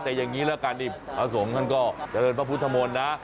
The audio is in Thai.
แต่อย่างนี้ละกันส่วนของฉันก็เจริญพระพุทธมนตร์นะ